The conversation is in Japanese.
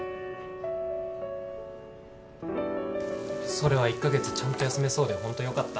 それは１カ月ちゃんと休めそうでホントよかった。